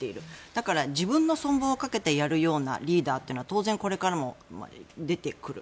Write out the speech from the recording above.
だから、自分の存亡をかけてやるようなリーダーというのは当然これからも出てくる。